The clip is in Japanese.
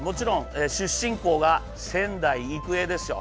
出身校は仙台育英ですよ。